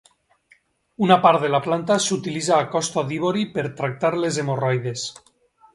Una part de la planta s'utilitza a Costa d'Ivori per tractar les hemorroides.